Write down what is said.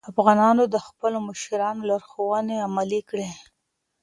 افغانانو د خپلو مشرانو لارښوونې عملي کړې.